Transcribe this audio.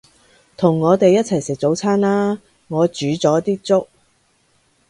同我哋一齊食早餐啦，我煮咗啲粥